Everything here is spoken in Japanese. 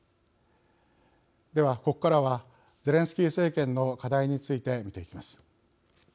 ではここからはゼレンスキー政権の課題について見ていきます。